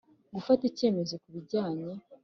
Gufata icyemezo ku bijyanye